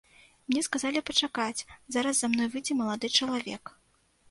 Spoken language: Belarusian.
Мне сказалі пачакаць, зараз за мной выйдзе малады чалавек.